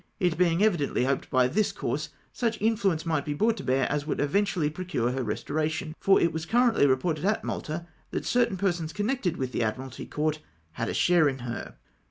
it being evidently hoped that by tliis course such influence might be brought to. bear as w^ould eventually procure her restoration : for it was cmTcntly reported at Malta that certain persons connected with the Admii'alty Court had a share in her!